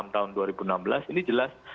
tahun dua ribu enam belas ini jelas